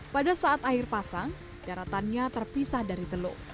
pada saat air pasang daratannya terpisah dari teluk